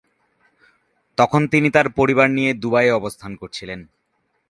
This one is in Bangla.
তখন তিনি তার পরিবার নিয়ে দুবাইয়ে অবস্থান করছিলেন।